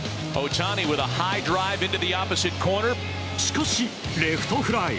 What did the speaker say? しかし、レフトフライ。